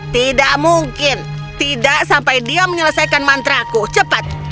tidak mungkin tidak sampai dia menyelesaikan mantraku cepat